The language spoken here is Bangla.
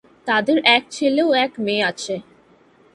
তাদের এক ছেলে ও এক মেয়ে আছে।